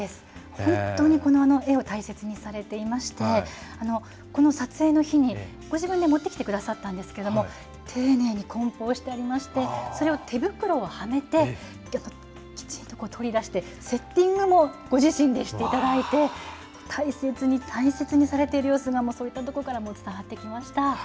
本当にこの絵を大切にされていまして、この撮影の日にご自分で持ってきてくださったんですけれども、丁寧にこん包してありまして、それを手袋をはめて、きちっと取り出して、セッティングもご自身でしていただいて、大切に大切にされている様子が、そういったところからも伝わってきました。